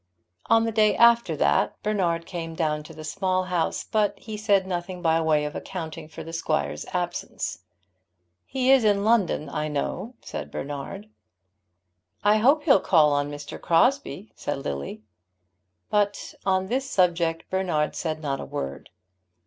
On the day after that Bernard came down to the Small House, but he said nothing by way of accounting for the squire's absence. "He is in London, I know," said Bernard. "I hope he'll call on Mr. Crosbie," said Lily. But on this subject Bernard said not a word.